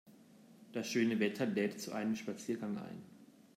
Das schöne Wetter lädt zu einem Spaziergang ein.